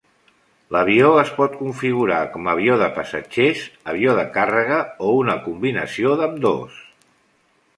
L"avió es pot configurar com a avió de passatgers, avió de càrrega o una combinació d"ambdós.